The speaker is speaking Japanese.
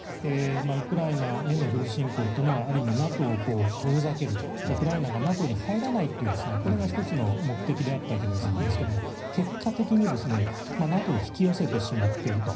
ウクライナへの軍事侵攻はある意味、ＮＡＴＯを遠ざけるウクライナがＮＡＴＯに入らないというこれが１つの目的であったわけですけど結果的にＮＡＴＯを引き寄せてしまっていると。